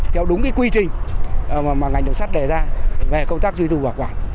theo đúng quy trình mà ngành đường sắt đề ra về công tác duy tu bảo quản